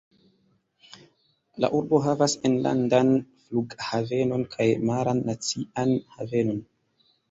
La urbo havas enlandan flughavenon kaj maran nacian havenon.